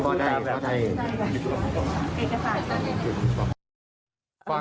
พอได้พอได้